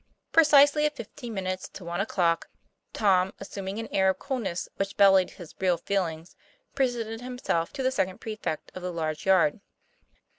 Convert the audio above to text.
Precisely at fifteen minutes to one o'clock, Tom, assuming an air of coolness which belied his real feelings, presented himself to the second prefect of the large yard.